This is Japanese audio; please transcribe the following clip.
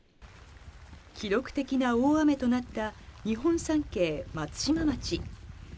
記録的な大雨となった日本三景、松島町。